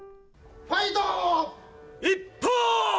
ファイト！